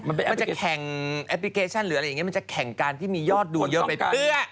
มันจะแข่งแอปพลิเคชันหรืออะไรอย่างนี้มันจะแข่งการที่มียอดดูเยอะไปเปื้อ